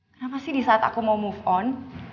kenapa sih disaat aku mau move on